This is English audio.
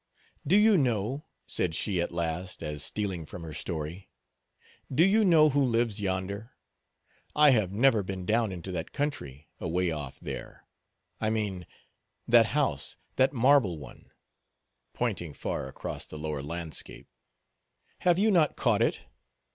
"Do you know," said she at last, as stealing from her story, "do you know who lives yonder?—I have never been down into that country—away off there, I mean; that house, that marble one," pointing far across the lower landscape; "have you not caught it?